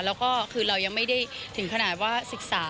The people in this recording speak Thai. แล้วก็คือเรายังไม่ได้ถึงขนาดว่าศึกษา